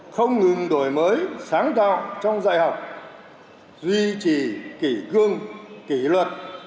không ngừng đổi mới sáng tạo trong dạy học duy trì kỷ cương kỷ luật